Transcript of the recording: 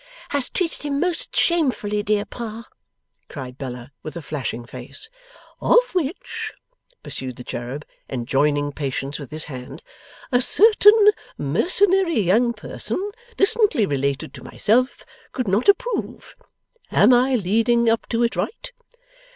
'Has treated him most shamefully, dear Pa!' cried Bella with a flashing face. 'Of which,' pursued the cherub, enjoining patience with his hand, 'a certain mercenary young person distantly related to myself, could not approve? Am I leading up to it right?